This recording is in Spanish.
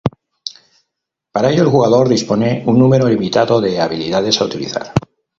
Para ello el jugador dispone un número limitado de habilidades a utilizar.